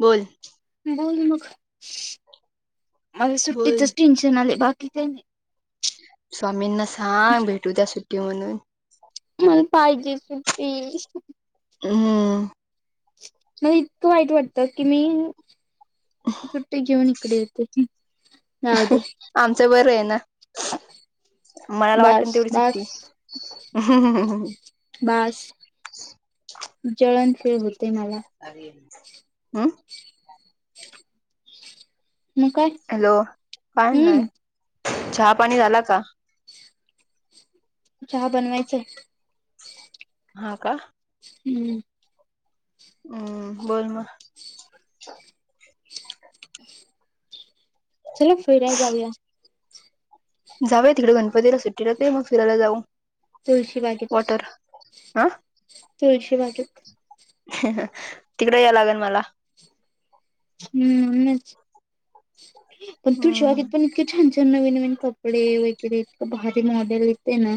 बोल. बोल मग, मला बोल सुट्टीतच टेन्शन आलय बाकी काही नाही. स्वामींना सांग भेटू द्या सुट्टी म्हणून मला पाहिजे सुट्टी. [unintelligible] मला इतकं वाईट वाटतं की मी, सुट्टी घेऊन इकडे येते. गावातच. आमचं बर आहे ना मनाला वाटन बास तेवढी बास सुट्टी. बास, जळण फिल होतय मला. अरे [inaudible] म काय? हॅलो काय नाय, हम्म चहा पाणी झाला का? चहा बनवायचय. हा का. हम्म. हम्म, बोल म. चला फिराय जाऊया. जाऊया तिकडे गणपतीला सुट्टीला येते मग फिरायला जाऊ. तुळशीबागेत, वॉटर हा तुळशीबागेत. तिकडे याय लागल मला. हम्म, मग पण हम्म तुळशीबागेत पण इतकी छान-छान, नवीन-नवीन कपडे वगैरे इतक भारी मॉडेल येतय ना.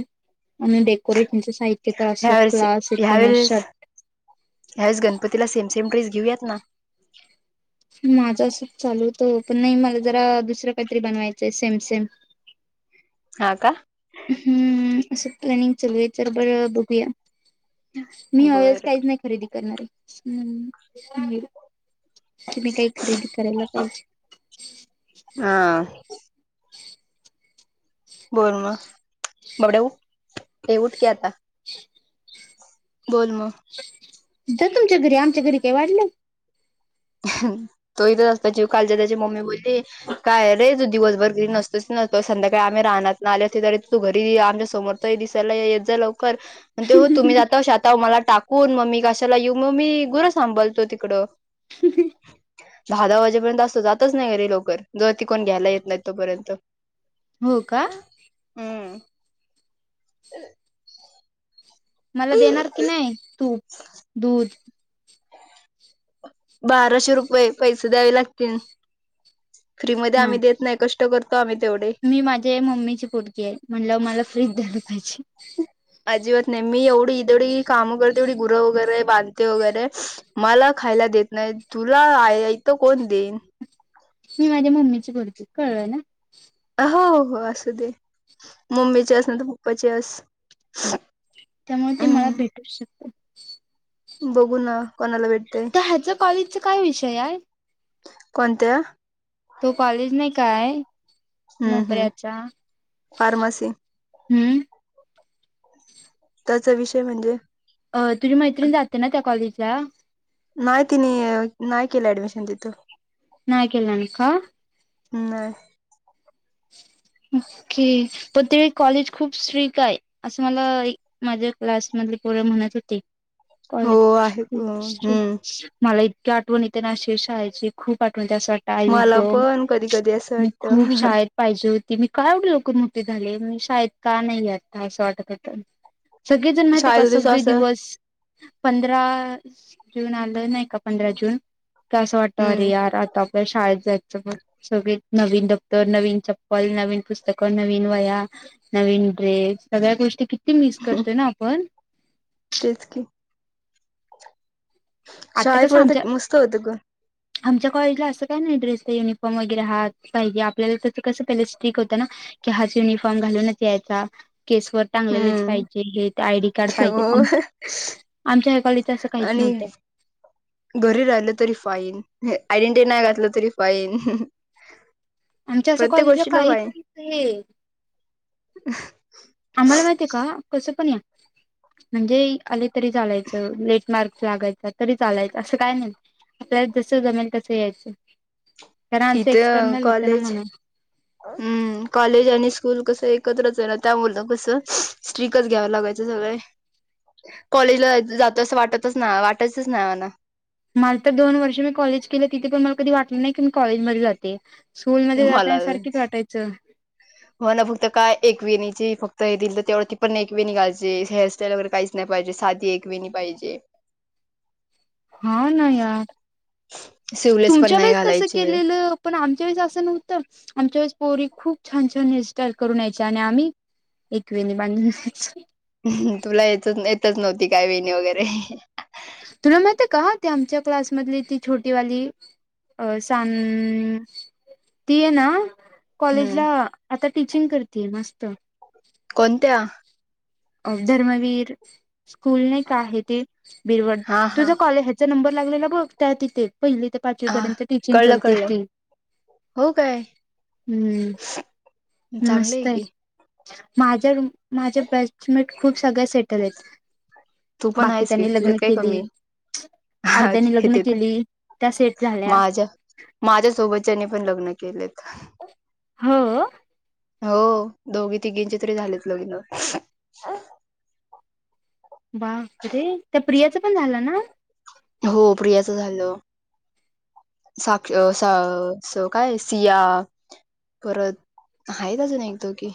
आणि डेकोरेशनच साहित्य तर अस ह्या वेळेस क्लास येत ना [inaudible] या वेळेस गणपतीला सेम-सेम ड्रेस घेऊयात ना. माझ असंच चालू होतं पण नाही, मला जरा दुसरं काहीतरी बनवायचय सेम-सेम हा का हम्म, असं प्लॅनिंग चालू आहे तर बरं बघूया. मी या वेळेस बर काहीच नाही खरेदी करणारे, हम्म तुम्ही काही खरेदी करायला पाहिजे. हा बोल मग, बबड्या ऊठ, ये उठ की आता. [unintelligible] बोल मग. जा तुमच्या घरी, आमच्या घरी काय वाढलय? तो इथच असतो, त्याची काल त्याची मम्मी बोलली काय रे तू दिवसभर घरी नसतोस ना तर, संध्याकाळी आम्ही रानातन आल्यावरती तरी तू घरी ये आमच्या समोर त दिसायला येत जा लवकर म्हणतोय हो तुम्ही जाताव शेताव मला टाकून, म मी कशाला येऊ, म मी गुरं सांभालतो तिकडं. [unintelligible] दहा-दहा वाजेपर्यंत असतो, जातच नाही घरीे लवकर जोवर ती कोण घ्यायला येत नाही तोपर्यंत. हो का? हम्म मला देणार की नाय? तूप, दूध. बाराशे रुपये पैसे द्यावे लागतील, फ्री मधे आम्ही देत नाही कष् ट करतो आम्ही तेवढे. मी माझे मम्मीची पोडगी आहे, म्हणलं मला फ्री च द्यायला पाहिजे. अजिबात नाही, मी एवढी जेवढी कामं करते तेवढी गुरं वगैरे बांधते वगैरे मला खायला देत नाहीत. तुला आयत कोण देईन. सून आली. मम्मीची करती कळलं ना. हो हो असू दे. मम्मीचे असू दे नाहीतर पप्पाची आहेस. ह त्यामुळे ते मला भेटूच शकते. बघू ना. कोणाला भेट त्या ह्याच कॉलेजचा काय विषय हाय. कोणत्या? तो कॉलेज नाही काय. हम्म हम्म मोपळ्याचा फार्मसी हम्. त्याचा विषय म्हणजे अ. तुझी मैत्रिण जाते ना त्या कॉलेजला. नाही तिने. नाही केलं ऍडमिशन तिथं. नाय केल नाही. का? नाय. ओके. पण ते कॉलेज खूप स्ट्रीक आहे असं मला. एक माझ्या क्लास मधले पोर म्हणत होते. हो कॉलेज आहे खूप हम्म स्ट्रिक्स मला इतकी आठवण येते ना. अशी शाळेची खूप आठवण त्यासा त्यावेळी मला गं. पण कधी कधी असं मी खूप वाटतं शाळेत पाहिजे होती. मी का एवढ लवकर मोठी झाले. मी शाळेत का नाही आता असं वाटत होत. सगळेजण माहितय शाळेत का होतीस सगळे असं दिवस पंधरा जून आलं नाही का, पंधरा जून तेव्हा असं वाटत अरे हम्म यार. आपल्या शाळेत जायचं. मग सगळे नवीन दप्तर, नवीन चप्पल, नवीन पुस्तकं, नवीन वह्या, नवीन ड्रेस. सगळ्या गोष्टी की ती मिस करतोय ना आपण. तेच की, आता कसं आमच्या शाळेपर्यंत मस्त होतं ग आमच्या कॉलेजला असं काय नाही. ड्रेसच युनिफॉर्म वगैरे हात पाहिजे आपल्याला तसं कसं पहिले स्ट्रिक होतं ना. की हाच युनिफॉर्म घालूनच यायचा. केसवर टांगलेलेच हम्म पाहिजे. हे आयडी कार्ड पाहिजे. हो आमच्या ह्याकाळी तसं काहीच आणि नव्हतं. घरी राहिलं तरी फाईन, आयडेंटी नाही घातलं तरी फाईन. आमच्या असं प्रत्येक कॉलेजला गोष्टीला काहीच फाईन असं नाही. [unintelligible] आम्हाला माहितीय का. कसं पण या. म्हणजे आले तरी चालायचं. लेट मार्क लागायचा तरी चालायच. असं काय नाही. आपल्याला जस जमेल तसं यायचं. कारण आमचं इथे एक्सटर्नल होतं ना कॉलेज म्हणून. हम्म. कॉलेज आणि स्कूल कसं एकत्रच आहे ना. त्यामूळ कस स्ट्रिकच घ्याव लागायचं सगळ. कॉलेजला जात असं वाटतच नाय. वाटायचच नाही आम्हाला. मला तर दोन वर्ष मी कॉलेज केलं. तिथे पण मला कधी वाटलं नाही की मी कॉलेजमध्ये जाते. स्कूलमध्ये मला मला जाताना सारखेच वाटायचं. हो ना. फक्त काय एक वेणीचे फक्त हे दिल त्यावेळेला ती पण एकवेणी घालायचे. हेअरस्टाईल वगैर काहीच नाही पाहिजे. साधी एक वेणी पाहिजे. हाव ना यार. शिवलेस पण तुमच्या नाही वेळेस तसं घालायचे केलेलं. पण आमच्या वेळेस असं नव्हतं. आमच्या वेळेस पोरी खूप छान छान हेअरस्टाईल करून यायची. आणि आम्ही एकवेणी बांधून जायचो. तुला येत येतच नव्हती काय वेणी वगैरे. तुला माहित का ते आमच्या क्लासमधली ती छोटी वाली अ सां ती ये ना हम्म कॉलेजला आता टीचिंग करतेय मस्त. कोणत्या? धर्मवीर स्कूल नाही का आहे ते बिरवड हा हा तुझं कॉलेज नंबर लागलेला बघ त्या तिथे पहिली ते पाचवी हा पर्यंत टीचिंग कळलं करते कळलं ती. हो काय? हम्म चांगलं आहे की. माझ्या माझ्या बॅच मेट खूप सगळ्या सेटल आहेत. तू पण बाकी आहेस की च्यानी तुझ्यात लग्न काही केली कमी आहे अर्ध्यानी हे लग्न ते तर केली त्या सेट झाल्या. माझ्या माझ्या सोबतच्यानी पण लग्न केलेत. हो? हो दोघी तिघींची तरी झालेत लग्न. बाप रे त्या प्रियाचं पण झालं ना? हो प्रियाचं झालं. साक्ष सा अ काय सिया परत आहेत अजून एक दोघी.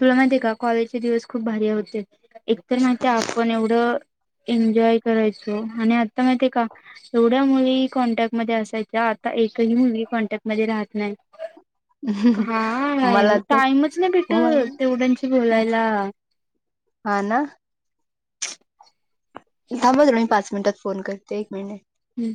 तुला माहिती आहे का कॉलेजचे दिवस खूप भारी होते एकतर माहित आहे आपण एवढं एन्जॉय करायचो आणि आता माहिती आहे का केवढ्या मुली कॉन्टॅक्टमध्ये असायच्या आता एकही मुली कॉन्टॅक्टमध्ये राहत नाही. काय मला तर टाइमच नाही व्हय, भेटत तेवढ्यांशी बोलायला. हा ना. थांब हा तुला मी पाच मिनटात फोन करते एक मिनट. हम्म.